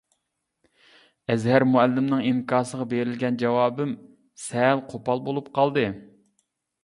ئەزھەر مۇئەللىمنىڭ ئىنكاسىغا بېرىلگەن جاۋابىم سەل قوپال بولۇپ قالدى.